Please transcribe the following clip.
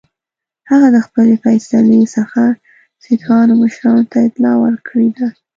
هغه د خپلي فیصلې څخه سیکهانو مشرانو ته اطلاع ورکړې ده.